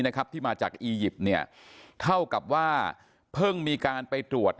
นะครับที่มาจากอียิปต์เนี่ยเท่ากับว่าเพิ่งมีการไปตรวจ